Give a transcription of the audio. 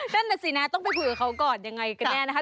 นั่นน่ะสินะต้องไปคุยกับเขาก่อนยังไงกันแน่นะคะ